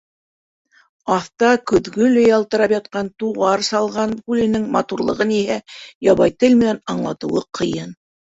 Аҫта көҙгөләй ялтырап ятҡан Туғарсалған күленең матурлығын иһә ябай тел менән аңлатыуы ҡыйын.